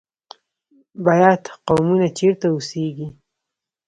بیات قومونه چیرته اوسیږي؟